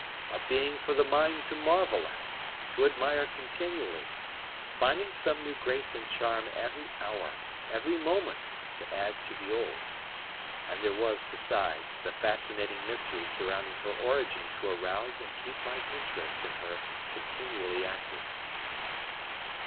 A being for the mind to marvel at, to admire continually, finding some new grace and charm every hour, every moment, to add to the old. And there was, besides, the fascinating mystery surrounding her origin to arouse and keep my interest in her continually active.